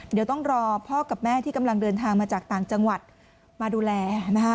เดี๋ยวต้องรอพ่อกับแม่ที่กำลังเดินทางมาจากต่างจังหวัดมาดูแลนะคะ